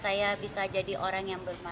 saya bisa jadi orang yang bermanfaat